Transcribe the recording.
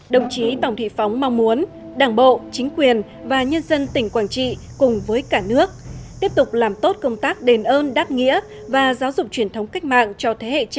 đồng chí tòng thị phóng mong muốn đảng bộ chính quyền và nhân dân tỉnh quảng trị cùng với cả nước tiếp tục làm tốt công tác đền ơn đáp nghĩa và giáo dục truyền thống cách mạng cho thế hệ trẻ